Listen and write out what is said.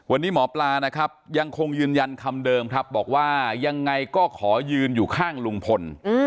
วันนี้หมอปลานะครับยังคงยืนยันคำเดิมครับบอกว่ายังไงก็ขอยืนอยู่ข้างลุงพล